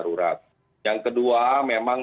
darurat yang kedua memang